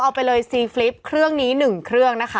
เอาไปเลยซีฟลิปเครื่องนี้๑เครื่องนะคะ